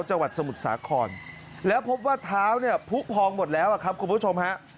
จังหวัดสมุทรสาครแล้วพบว่าท้าวพุกพองหมดแล้วครับคุณผู้ชมครับ